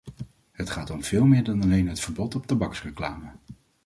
Het gaat om veel meer dan alleen het verbod op tabaksreclame.